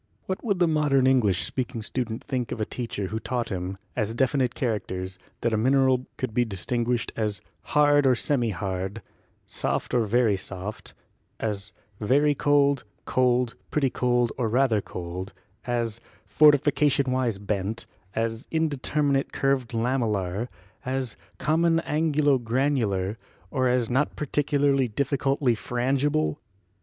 What would the modern Eng lish speaking student think of a teacher who taught him, WERNER AND HUTTON 53 as definite characters, that a mineral could be distin guished as "hard or semi hard," "soft or very soft," as "very cold, cold, pretty cold or rather cold," as "fortifica tion wise bent," as "indeterminate curved lamellar," as "common angulo granular" or as "not particularly diffi cultly frangible"?